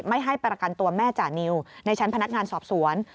ไม่ให้ประกันตัวแม่จานิวในชั้นพนักงานสอบสวน